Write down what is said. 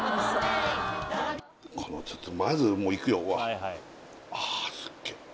このちょっとまずもういくよあスッゲ